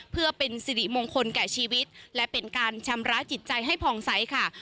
เพื่อเป็นสิริมงคลแก่ชีวิตและเป็นการชำระจิตใจให้ผ่องใสค่ะ